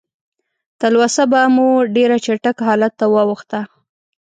تلوسه به مو ډېر چټک حالت ته واوښته.